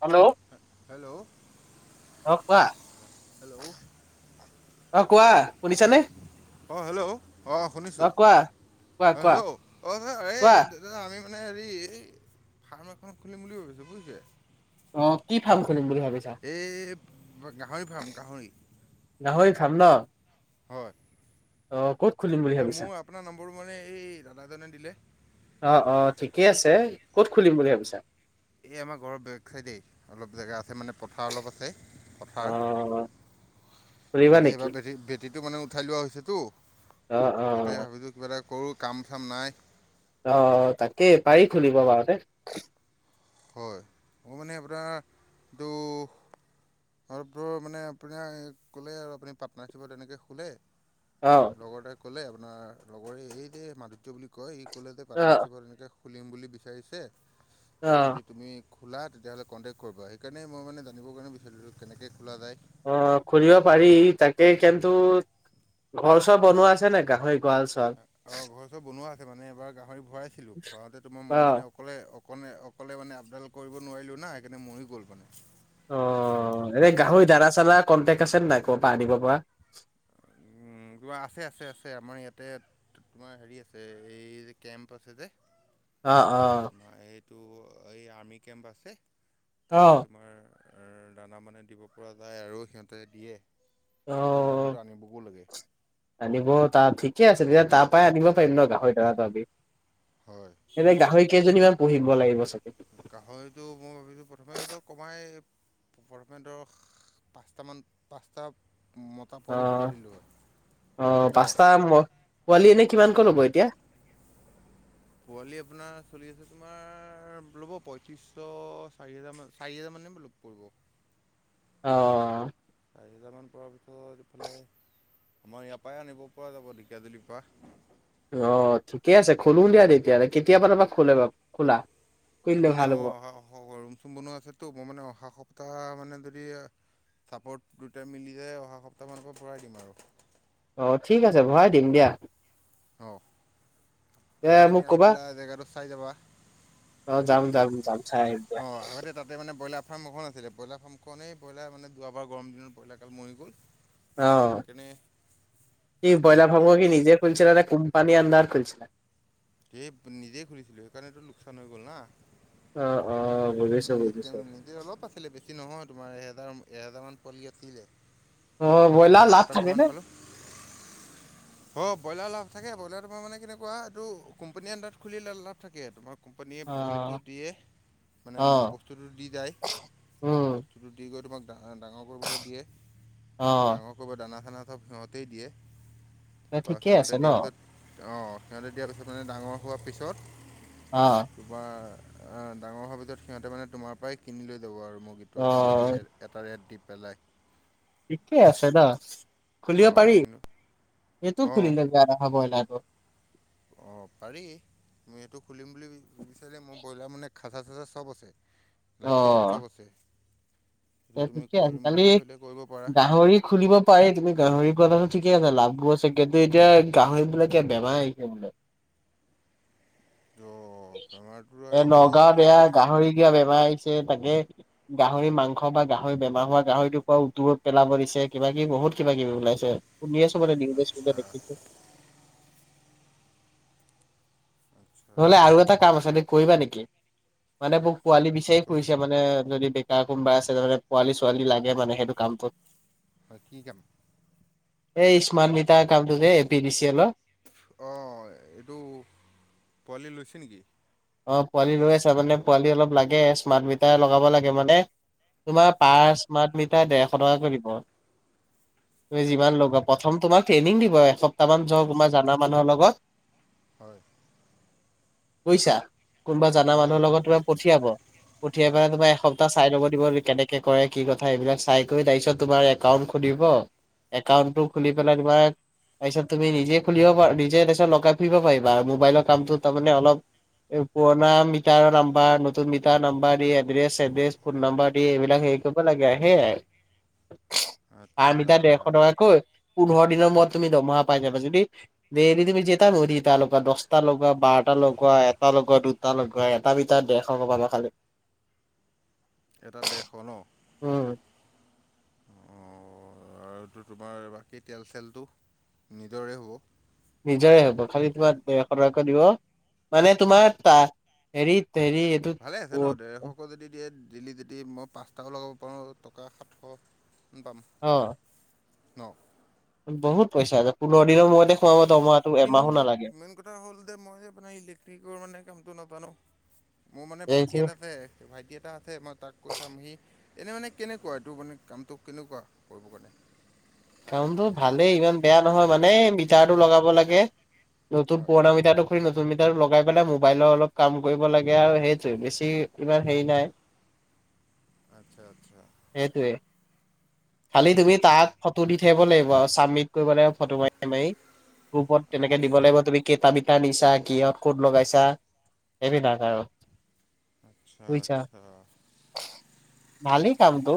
Hello hello. অঁ কোৱা। Hello. অ কোৱা, শুনিছানে? অ হেল্ল' অ শুনিছো অ কোৱা কোৱা অ কোৱা হেল্ল' অ কোৱা [unintelligible] আমি মানে হেৰি এই ফাৰ্ম এখন খুলিম বুলি ভাবিছো বুজিছে? অ কি ফাৰ্ম খুলিম বুলি ভাবিছা? এই গাহৰি ফাৰ্ম গাহৰি। গাহৰি ফাৰ্ম ন? হয়। অ ক'ত? খুলিম বুলি এ ভাবিছা মোৰ আপোনাৰ নম্বৰটো মানে এই দাদাজনে দিলে। অ অ ঠিকে আছে, ক'ত খুলিম বুলি ভাবিছা? এই আমাৰ ঘৰৰ বেক চাইডেই, অলপ জেগা আছে মানে পথাৰ অলপ আছে অ পথাৰ। খুলিবা তাতে নেকি এইবাৰ বেট বেটী মানে উঠাই লোৱা হৈছেতো, অ অ তাতে ভাবিলছোঁ কিবা এটা কৰোঁ কাম চাম নাই। আহ তাকেই পাৰি খুলিব বাৰুতে। হয় ম মানে আপোনাৰ এইটো ঘ মানে আপোনাক কলে আৰু আপুনি পাটনাৰশিপৰ তেনেকে খোলে অ লগৰতে ক'লে আপোনাৰ লগৰে এই যে মাধুৰ্য্য বুলি কয়। ক'লে যে অ পাৰ্টনাৰশ্বিপত এনেকৈ খুলিম বুলি বিচাৰিছে। অ যদি তুমি খোলাতিয়াহ'লে কণ্টেক্ট কৰিবা সেইকাৰণেই মই মানে জানিব কাৰণে বিচাৰিছোঁ কেনেকৈ খোলা যায়। অ খুলিব পাৰি তাকে কিন্তু ঘৰ চৰ বনোৱা আছে নে গাহৰি। গঁৰাল চৰাল অ ঘৰ চব বনোৱা আছে মানে এবাৰ গাহৰি ভৰাইছিলো ভৰাতে তোমাৰ অ মই মানে অকলে অকলে অকলে মানে আপডাল কৰিব নোৱাৰিলো না সেইকাৰণে মৰি গ'ল মানে। অ অ এনে গাহৰি দানা চানা কন্তেক আছে নে নাই ক'ৰ পৰা আনিব পৰা? যোৱা আছে আছে আছে আমাৰ ইয়াতে তোমাৰ হেৰি আছে এই যে কেম্প আছে যে। অহ অ তোমাৰ এইটো এই আৰৰ্মি কেম্প আছে তাতে তোমাৰ দানা মানে দিব পৰা যায় আৰু সিহঁতে দিয়ে। অ খালি অ দানাটো আনিবগৈ লাগে। আনিব ত ঠিকে আছে তেতিয়া তাৰ পৰাই আনিব পাৰিম ন গাহৰি দনাটো আমি। হয় এনেই গাহৰি কেইজনীমান পুহিব লাগিব চাগ? গাহৰিটো মই ভাবিছো প্ৰথমেতো কমাই প্ৰথমেতো পাঁচটামান পাঁচটা মতা অ পোৱালি ভৰাই দিলোঁ হয় অ ন পাঁচতা পোৱালি নে কিমানকৈ ল'ব এতিয়া? পোৱালি আপোনাৰ চলি আছে তোমাৰ ল'ব পয়ত্ৰিশ চাৰি হোজাৰ মান চাৰি হোজাৰ মান। আনিবলে ক'ব। অ এহেজাৰমান পৰাৰ পিছত ইফালে আমাৰ ইয়াৰ পৰাই আনিব পৰা যাব ঢেকীয়াজুলিৰ পৰা। অ ঠিকে আছে খোলো দিয়া তেতিয়াহলে কেতিয়াবা পা খোলে খোলা? এইটো খুলিলে মানে ভাল হ'ব অহ ৰুম চুম বনোৱা আছে তো মই মানে অহা সপ্তাহ। মানে যদি চাপৰ্ট দুয়োটাই মিলি যায় অহা সপ্তাহমানৰ পৰা ভৰাই দিম আৰু। অ ঠিক আছে ভৰাই দিম দিয়া। অ এ তুমি এনে মোক আহি কবা পেলাই জেগাটো চাই যাবা। অ যাম যাম যাম চাই আহিম দে। অঁ আগতে তাতে মানে ব্ৰইলাৰ ফাৰ্ম এখন আছিলে ব্ৰইলাৰ ফাৰ্মখনেই ব্ৰইলাৰ মানে যোৱাবাৰ গৰম দিনত ব্ৰইলা কাল মৰি গ'ল। অ সেইকাৰণে কি ব্ৰইলাৰ ফাৰ্ম কি নিজে খুলিছিল নে? কোম্পানী আন্দাৰত খোলিছিলে। সেই নিজে খুুলিছিলে সেইকাৰণেটো লোকচান হৈ গল না। অ অ বুজিছো বুজিছো অলপ আছিলে বেছি নহয় তোমাৰ এহেজাৰ এহেজাৰ মান পোৱালি আছিলে। অ তাৰে ব্ৰইলাৰ লাভ থাকেনে? অ ব্ৰইলাৰ লাভ থাকে ব্ৰইলাৰ তোমাৰ মানে কেনেকুৱা এইটো কোম্পানী আন্দাৰত খুলিলে লাভ থাকে তোমাৰ কোম্পানীয়ে অ পোৱালিটো দিয়ে মানে অ বস্তুটো দি যায়। উম বস্তুটো দি গৈ তোমাক। ডা ডাঙৰ কৰিবলৈ দিয়ে অ ডাঙৰ কৰিব দানা চানা চব সিহঁতেই দিয়ে। এ বা ঠিকেই সিহঁতে আছে ন। দিয়াৰ পিছত অঁ সিহঁতে দিয়াৰ পিছত মানে ডাঙৰ হোৱাৰ অ পিছত কিবা। ডাঙৰ হোৱাৰ ভিতৰত সিহঁতে মানে তোমাৰ পৰাই কিনি লৈ যাব আৰু অ মুৰ্গীটো অকণমান ৰেট এটা ৰেট দিৈ পেলাই। ঠিকেই আছে ন খুলিব অঁ পাৰি কিন্তু এইটো খুলিলে বেয়া নহব ব্ৰইলাৰটো। অ পাৰি এইটো খুলিম বুলি বিচাৰে মোৰ ব্ৰইলাৰ মানে খাচা চাচা চব আছে। লাইট চাইট সৱ আছে। সেইটো এ তুমি ঠিকে কৰিম বুলি আজিকালি ভাবিলে কৰিব পাৰা গাহৰি খুলিব পাৰি তুমি গাহৰি খোৱাটো ঠিক ঠিকে আছে লাভো আছে কিন্তু এতিয়া গাহৰিবলাক বেমাৰ আহিছে বোলে। [inaudible] বেমাৰটো এ আহিছে এইটো নগাঁৱত ভাল এয়া গাহৰি কিবা বেমাৰ আহিছে। তাকে তাকে গাহৰি মাংস বা গাহৰি বেমাৰ হোৱা গাহৰিটোৰ পৰা দূৰত পেলাব দিছে কিবা কিবি বহুত বহুত কিবা কিবি ওলাইছে শুনি আছো মানে নিউজে আচ্ছা চিউজে দেখিছো। আচ্ছা নহলে আৰু এটা কাম আছে কৰিবা নেকি। মানে মোক কি পোৱালি ক- বিচাৰি কচোন ফুৰিছে মানে যদি কোনোবা আছে তাৰানে পোৱালি ছোৱালী লাগে মানে সেইটো কামটোত কি কাম এই ইছমিতাৰ কামটো যে A P D C L অ এইটো পোৱালি লৈছে নেকি অ পোৱালি লৈ আছা মানে পোৱালি অলপ লাগে স্মাৰ্ট মিটাৰ লগাব লাগে মানে তোমাৰ পাৰ অঁ স্মাৰ্ট মিটাৰ ডেৰশ টকাকৈ দিব। তুমি যিমান অঁ লগা প্ৰথম তোমাক ট্ৰেইনিং দিব এসপ্তাহ মান যোৱা তোমাৰ জানা মানুহৰ লগত। হয়। পইছা কোনোবা জনা হয় হয় মানুহৰ লগত হ- তোমাৰ পঠিয়াব। পঠিয়াই হয় পেলাই তোমাৰ এসপ্তাহ চাই কেনেকে কৰে কি কথা এইবিলাক চাই কৰি তাৰপিছত তোমাৰ একাউট খুলিব। একাউণ্টটো খুলি পেলাই তোমাৰ তাৰপিছত তুমি নিজে খুলিব পাৰা নিজে তাৰপিছত লগাই ফুৰিব পাৰিবা মোবাইলৰ কামটো তাৰ মানে অলপ। এই পুৰণা মিটাৰ নাম্বাৰ নতুন মিটাৰ নাম্বাৰ দি এড্ৰেছ চড্ৰেছ ফোন নম্বাৰ দি এইবিলাক সেৰি লে সেইয়াই আচ্ছা আমিতা দেৰশ টকাকৈ পোন্ধৰ নম্বৰত তুমি দৰমহা পাই যাবা যদি ডেইলি তুমি জেতা ন ত লগা দহটা লগোৱা বাৰটা লগোৱা। দুটা লগোৱা দুটা এটা মিটাৰ দেৰশ লগাবা খালি। এটা দেৰশ ন উম অহ আৰু তোমাৰ বাকী তেল চেলটো নিজৰে হ'ব। নিজৰে হ'ব খালি তোমাৰ ডেৰশ টকাকৈ দিব মানে তোমাৰ ত হেৰিত হেৰি এইটোত ভালে আছে ন ডেৰশ কৈ যদি দিয়ে এদিন দুদিন মই পাঁচটাও লগাব পাৰোঁ টকা সাতশ মান পাম অ ন বহুত পইচা আছে পোন্ধৰ দিনৰ মূৰতেই সোমাব দৰমহা কিন্তু মেইন কথা হ'ল যে মই আপোনাৰ ইলে্ট্ৰিকৰ মানে কামটো নাজানো মোৰ মানে ভাইটি এটা আছে ভাইটি এটা আছে মই তাক কৈ চাম সি এনে মানে কেনেকুৱা এইটো মানে কামটো কেনেকুৱা কৰিবৰ কাৰণে কামটো ভালেই ইমান বেয়া নহয় মানে মিটাৰটো লগাব লাগে। নতুন হয় পুৰণা মিটাৰটো নতুন মিটাৰ লগাই পেলাই মোবাইলৰ অলপ কাম কৰিব লাগে আৰু সেইটো বেছি ইমান হেৰি নাই আচ্ছা আচ্ছা খালী তুমি আচ্ছা তাত পঠিয়াব লাগিব আৰু চাবমিট কৰিব লাগিব ফটো মাৰি মাৰি গ্ৰুপত তেনেকে দিব আচ্ছা লাগিব তুমি কেইটা কিমান দিছা কিহঁত কত লগাইছা এইবিলাক আৰু আচ্ছা বুজিছা আচ্ছা ভালেই কামটো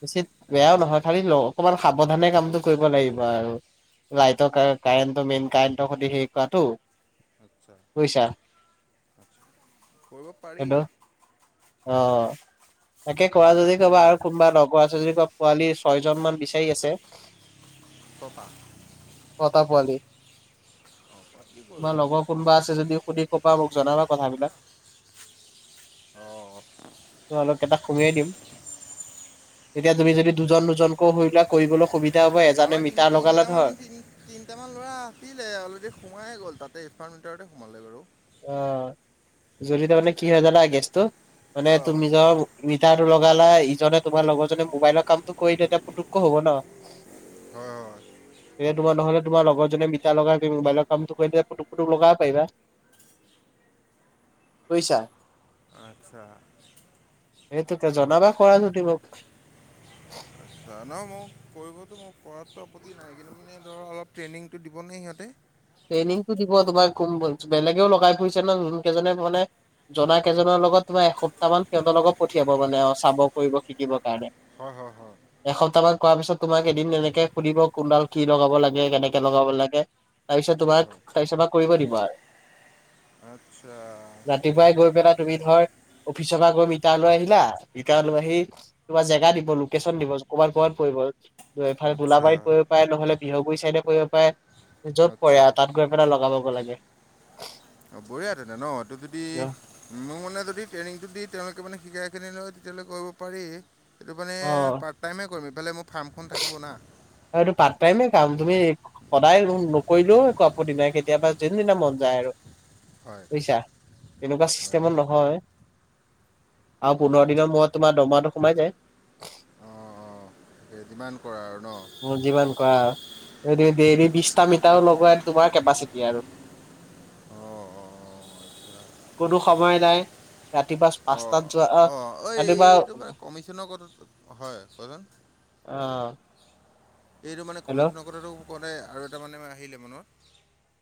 বেছিত বেয়াও নহয় খালি লওঁ অকমান সাৱধানে কামতটো কৰিব লাগিব আৰু লাইটৰ কাৰেণ্টটো মেইন কাৰেণ্টৰ সৈ হে কৰাটো আচ্ছা বুজিছা কৰিব পাৰি সেইটো অ তাকে কোৱা বেয়া যদি নহয় কবা ন আৰু কোনোবা লগৰ আছে যদি কবা পোৱালি ছয়জন মান বিচ সেই আছে ছটা ছটা পোৱালি অঁ পাৰি কৰিব তোমাৰ লগৰ কোনোবা আছে যদি সুধি কবা মোক জনাবা কথাবিলাক [unintelligible] মই অলপ এটা সোমিয়াই দিম তেতিয়া তুমি যদি দুজন দুজনকো সৰিবা কৰিবলৈ সুবিধা। হ'ব এজানে আমাৰ তিন মিটাৰ লগালে তিনটামান ধৰ তি তিনটামান ল'ৰা আছিলে অলৰেডি সোমাইে গ'ল তাতে- তোমাৰ মিটাৰতে সোমালে বাৰু অ অ, যদি তাৰ মানে কি হয় জানা গেছটো মানে অঁ তুমি নিজৰ মিটাৰত লগালা ইজনে তোমাৰ লগৰজনে মোবাইলৰ কামটো কৰিলে তেতিয়া পুটুক হ'ব ন উস্ হয় হয় এয়া তোমাৰ নহ'লে তোমাৰ লগৰ জনে মিটাৰ লগাই কি মোবাইলত কামটো কৰি দিলে পুটুক পুটুক লগাব পাৰিবা বুজিছা আচ্ছা চিউ সেইটোকে জনাবা কৰা যদি মোক আচ্ছা, নহয় মোক কৰিবতো মোৰ কৰাতো আপত্তি নাই কিন্তু মানে ধৰ অলপ ট্ৰেইনিংটো দিবনে সিহঁতে ট্ৰেইনিংটো দিব তোমাৰ কোন ব্ৰাঞ্চ বেলেগেও লগাই ফুৰিছে ন যোনকেইজনে মানে জনা কেইজনৰ লগত তোমাৰ এসপ্তাহ মান সিহঁতৰ লগত পঠিয়াব মানে অ চাব কৰিব শিকিব তাৰ হয় হয় হয় এসপ্তাহ মান কৰাৰ পিছত তোমাক এদিন তেনেকে সুধিব কোনডাল কি লগাব লাগে কেনেকে লগাব লাগে তাৰপিছত তোমাক তাৰপিছ পা কৰিব দিব আৰু আচ্ছা ৰাতিপুৱাই গৈ পেলাই তুমি ধৰ অফিচৰ পৰা গৈ মিটাৰলৈ আহিলা মিটাৰলৈ আহি তোমাৰ জেগা দিব লোকেশ্যন দিব কবাত কৰবাত পৰি কাজ এফালে আচ্ছা গোলাবাৰীত পৰিব পাৰে নহ'লে বিহুগুৰি চাইডে পৰিব পাৰে। য'ত পৰে আচ্ছা আৰু তাত গৈ পেলাই লগাবগৈ লাগে। অ, বঢ়িয়া তেনে এইটো যদি মোৰ মানে যদি ট্ৰেইনিংটো দি তেওঁলোক কিছুমানে শিকাই খিনি লয় তেতিয়াহলে কৰিব পাৰি। সিটো মানে অ পাৰ্ট টাইমে কৰিমি সেইফালে মোৰ ফাৰ্মখন থাকিব না এইটো পাৰ্ট টাইমে কাম তুমি খ খ সদায় লোন নকৰিলেও একো আপত্তি নাই কেতিয়াবা যোনদিনা মন যায় তাইৰো হয় বুজিছা তেনেকুৱা হয় চিষ্টেমত নহয় আৰু হয় পোন্ধৰ হয় দিনৰ মূৰত তোমাৰ দৰমহাটো সোমাই যায় উস্ অঁ অঁ তাকে যিমান কৰা আৰু ন অঁ মোৰ যিমান কৰা ডেইলি বিশটা মিটাৰ লগোৱা তোমাৰ কেপাচিটি আৰু অ অ অ অহ অহ কোনো সময় নাই ৰাতিপুৱা স অঁ পাঁচটাত যোৱা আহ অঁ ঐ ৰাতিপুৱা এই- এইটো মানে কমিছনৰ কথা সুত হয় কোৱাচোন আহ এইটো মানে হেল্ল' কমিছনৰ কথাটো কওঁতে আৰু এটা মানে আমাৰ আহিলে মনত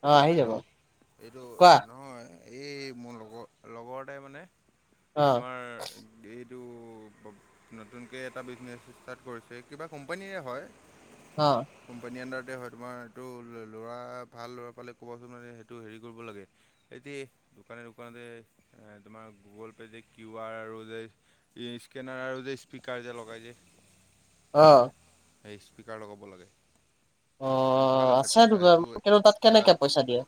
অ আহি যাব হেল্ল'এইটো কোৱা নহয় এই মোৰ লগৰ লগৰ এটাই মানে অ তোমাৰ এই হেৰিত এইটো তো নতুনকে এটা বিজনেছ ষ্টাৰ্ট কৰিছে কিবা কোম্পানীয়ে হয়। হি হি হি অ হি কোম্পানীৰ আন্ডাৰত তাতে হয় তোমাৰ এইটো ল ল'ৰা ভাল ল'ৰা পালে ক'বাচোন মানে সেইটো হেৰি কৰিব লাগে এতি দোকানে দোকানতে এ তোমাৰ গুগল পে' যে কিউ আৰ আৰু যে এই স্কেনাৰ আৰু যে স্পীকাৰ যে লগাই যে অ সেই স্পীকাৰ লগাব লাগে। অ অ সেইটো অ অ ভাল আছে পইচা দুজন সেইটো টু কিন্তু তাত কেনেকে এটাত পইচা দিয়ে?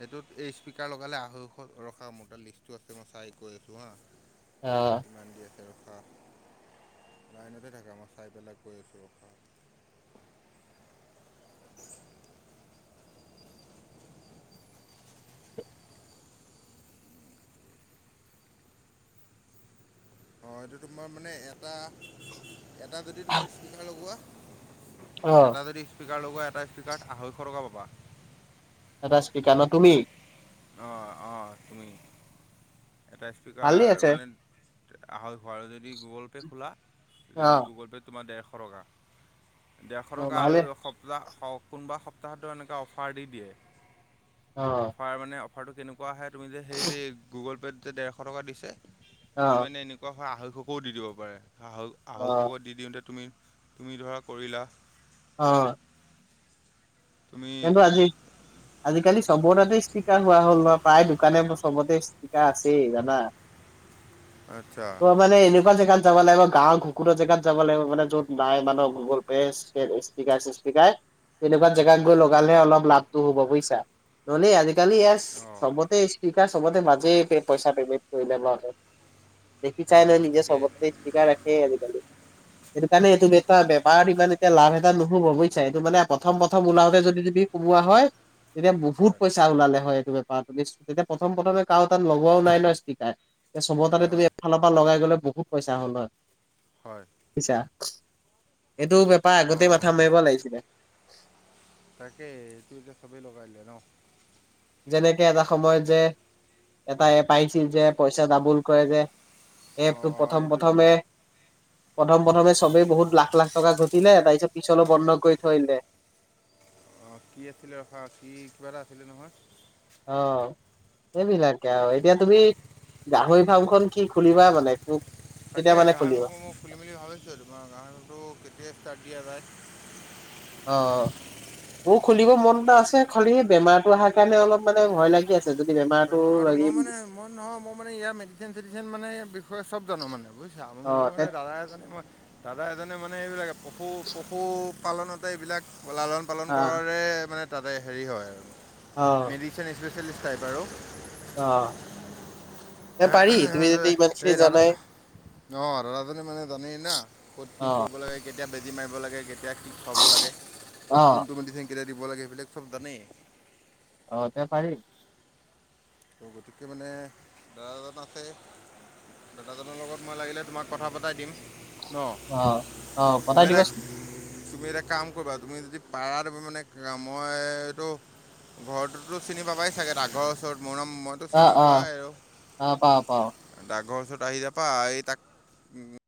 সেইটোত এই স্পীকাৰ লগালে আঢ়ৈশ ধৰক অ, মোৰ তাত লিষ্টটো আছে মই চাই কৈ আছো হা অ কিমান দি আছে আৰু আহ, লাইনতে থাকে মই চাই পেলাই কৈ আছোঁ অফাৰ অ, এইটো তোমাৰ মানে এটা এটা যদি তুমি স্পীকাৰ লগোৱা অ এটা যদি স্পীকাৰ লগোৱা এটা স্পীকাৰত আঢ়ৈশ টকা পাবা। এটা স্পীকাৰ ন তুমি অ অ, তুমি এটা স্পীকাৰ ভালেই আছে মানে আঢ়ৈশ আৰু যদি গুগল পে' খোলা অ তেতিয়াহ'লে গুগল পে' তোমাৰ ডেৰশ টকা ডেৰশ অ টকা ভালে আৰু সপ্তাহ কোনোবা সপ্তাহতো এনেকৈ অফাৰ দি দিয়ে অ', অফাৰ মানে অফাৰটো কেনেকুৱা আহে তুমি যে সেই গুগল পে'ত যে ডেৰশ টকা দিছে অ', কোনোবাই এনেকুৱা হয় আঢ়ৈশকেও দি দিব পাৰে আ অ', আঢ়ৈশক দি দিওঁতে তুমি তুমি ধৰা কৰিলা অ তুমি কিন্তু আজি আজিকালি চবতে তাতে ষ্টিকাৰ হোৱা হ'ল নহ প্ৰায় দোকানে চবতে ষ্টিকাৰ আছেই জানা আচ্ছা অ মানে এনেকুৱা জেগাত যাব লাগিব গাঁৱৰ ঘুকুতৰ জেগাত যাব লাগিব মানে য'ত নাই মানুহৰ গুগল পে' স্পিকাৰ চিচস্পিকাৰ তেনেকুৱা জেগাত আচ্ছা গৈ আচ্ছা লগালহে অলপ লাভটো হব বুইছা নহ'লে আজি। কালি অঁ চবতে স্পিকাৰ চবতে মাজে পইচা পেমেন্ট কৰিলে। দেখি চাই নহয় অঁ নিজে তাকে চবতে স্পিকাৰ থাকেই আজিকালি। সেইটো কাৰণে এইটো বিষয়ে এটা বেপাৰত ইমান এতিয়া লাভ এটা নহব বুজিছ এইটো মানে প্ৰথম প্ৰথম ওলাও- যদি তুমি কোমোৱা হয় তেতিয়া বহুত হয় পইচা ওলালে হয় এইটো। তুমি তেতিয়া প্ৰথম প্ৰথমে কাৰো তাত লগোৱাও নাই ন স্পিকাৰ চবৰ তাতে হয় তুমি হয় এফালৰ পৰা লগাই গলে বহুত পইচা হ'ল হয় হয় বুইছা- এইটো বেপাৰ আগতেই অঁ মাথা মাৰিব লাগিছিলে তাকেই এইটো এতিয়া চবেই লগাই দিলে ন যেনেকে এটা সময়ত যে এটা এপ আহিছিল যে পইচা ডাবুল কৰে যে এপ অঁ টো অঁ প্ৰথম এইটো প্ৰথমে তোমাৰ প্ৰথম প্ৰথমে চবেই এই- বহুত লাখ লাখ টকা ঘটিলে তাৰ পিছত পিছলৈ বন্ধ কৰি থৈ দিলে অ কি আছিলে ৰখা কি কিবা এটা আছিলে নহয় অ এইবিলাকে অঁ আৰু এতিয়া তুমি গাহৰি ফাৰ্ম খন কি খুলিবা মানে কেতিয়া তাকেই মানে খুলিবা? গাঁহৰি মই ফুলিম বুলি ভাবিছোঁ তোমাৰ গাঁহৰি কেতিয়াই তাকিয়া যাই অ অ মোৰ খুলিব মন এটা আছে খালি বেমাৰটো অহাৰ কাৰণে অলপ মানে ভয় লাগি আছে যদি বেমাৰটো মই লাগি মানে মই নহয় মই মানে ইয়াৰ মেডিচিন চেডিচিন মানে বিষয়ে চব জানো মানে বুজিছা মই অ', তে মানে দাদাই জানে মই দাদা এজনে মানে এইবিলাক পশু পশুপালনতে এইবিলাক লালন পালন অ', কৰাৰে মানে তাতে হেৰি হয় আৰু অ', মেডিচিন স্পেচিয়েলিষ্ট টাইপ আৰু অ এ পাৰি তুমি যদি ইমান খিনি এই দাদা জানাই ন দাদাজনী মানে জানেই না ক'ত কি অ', কৰিব লাগে কেতিয়া বেজী মাৰিব লাগে কেতিয়া কি খুৱাব লাগে অ'। কোনটো মেডিচেন কেতিয়া দিব লাগে সেইবিলাক চব জানেই অ তে পাৰি ত গতিকে মানে দাদা এজন আছে দাদাজনৰ লগত মই লাগিলে তোমাক কথা পতাই দিম ন অ অ তুমি পতাই এটা দিবাচোন তুমি এটা কাম কৰিবা তুমি যদি পাৰা মানে মই এইটো ঘৰততো চিনি পাবাই চাগে ডাকঘৰ ওচৰতো মোৰ নাম মইতো চিনি অ', অ', পাই আৰু অ', পাওঁ পাওঁ। ডাকঘৰ ওচৰত আহি যাপা আহি তাক